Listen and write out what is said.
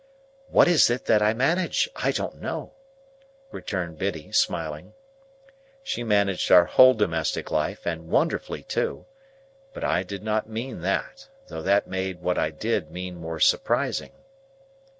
"What is it that I manage? I don't know," returned Biddy, smiling. She managed our whole domestic life, and wonderfully too; but I did not mean that, though that made what I did mean more surprising.